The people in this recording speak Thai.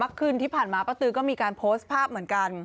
คืนที่ผ่านมาป้าตือก็มีการโพสต์ภาพเหมือนกัน